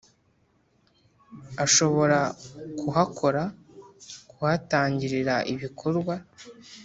ashobora kuhakora, kuhatangirira ibikorwa